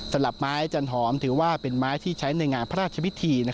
สำหรับไม้จันหอมถือว่าเป็นไม้ที่ใช้ในงานพระราชพิธี